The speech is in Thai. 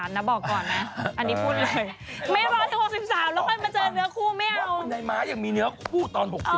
เฮ้ยแต่รสเมย์ไม่รอถึง๖๓